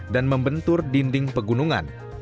dan membentur dinding pegunungan